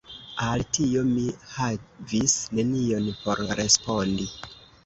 Al tio, mi havis nenion por respondi.